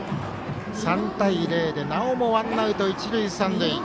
３対０でなおもワンアウト一塁三塁。